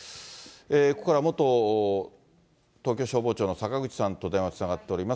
ここからは、元東京消防庁の坂口さんと電話つながっています。